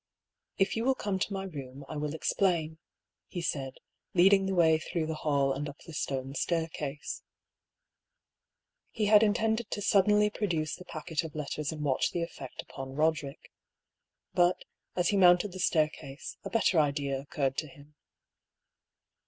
" If you will come to my room, I will explain," he said, leading the way through the hall and up the stone staircase. He had intended to suddenly produce the packet of letters and watch the effect upon Eoderick. But, as he mounted the staircase, a better idea occurred to him.